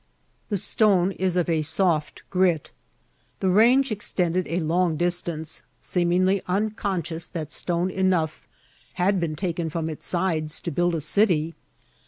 The stone is of a soft grit. The range extended a long distance, seemingly unconscious that stone enough had been taken from its sides to build a city.